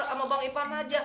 sama bang ipan aja